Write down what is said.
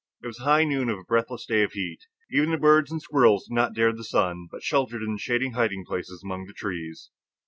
It was high noon of a breathless day of heat. Even the birds and squirrels did not dare the sun, but sheltered in shady hiding places among the trees.